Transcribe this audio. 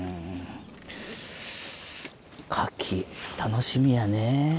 カキ楽しみやね。